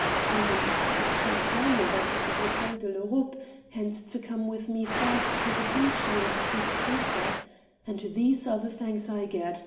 I meant to ask you to dine with us at the Hotel de l'Europe and to come with me first to the Pincio to see the sunset. And these are the thanks I get!...